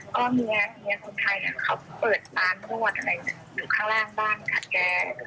ก็เมียคนไทยเนี่ยเขาเปิดป่านทั้งหมดอะไรอยู่ข้างล่างบ้างค่ะแก